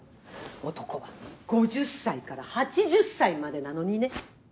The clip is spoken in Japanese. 男は５０歳から８０歳までなのにね。